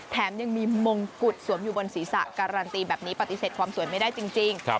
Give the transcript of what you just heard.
แถมยังมีมงกุฎสวมอยู่บนศีรษะการันตีแบบนี้ปฏิเสธความสวยไม่ได้จริง